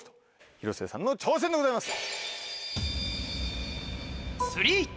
広末さんの挑戦でございます。